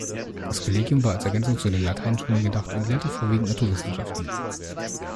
Das Collegium war als Ergänzung zu den Lateinschulen gedacht und lehrte vorwiegend Naturwissenschaften.